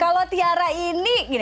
kalau tiara ini